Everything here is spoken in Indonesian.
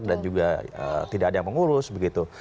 dan juga tidak ada yang mengurus begitu